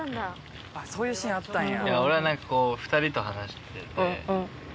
そういうシーンあったんや。